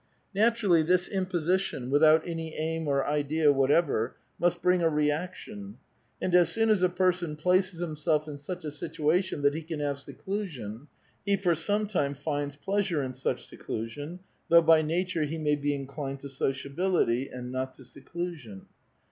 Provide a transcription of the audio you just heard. "Naturally, this imposition, without any aim or idea. what ever, must bring a reaction ; and as soon as a person places himself in such a situation that he can have seclusion, he for some time finds pleasure in such seclusion, though by nature he may be inclined to sociability and not to seclusion.